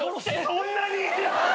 そんなに嫌？